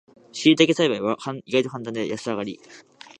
しいたけ栽培は意外とカンタンで安上がり